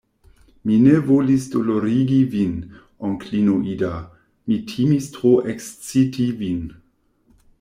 Mi ne volis dolorigi vin, onklino Ida; mi timis tro eksciti vin.